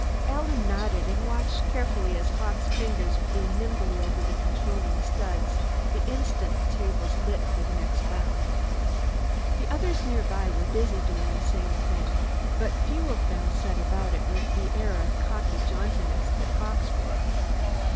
Alan nodded and watched carefully as Hawkes' fingers flew nimbly over the controlling studs the instant the tables lit for the next round. The others nearby were busy doing the same thing, but few of them set about it with the air of cocky jauntiness that Hawkes wore.